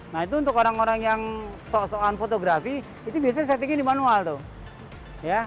nah itu untuk orang orang yang sok soan fotografi itu biasanya setting di manual tuh